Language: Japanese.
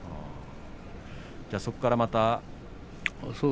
そこから、また。